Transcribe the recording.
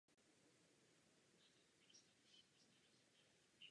V krizi, jako je tato, je tohle třeba říci.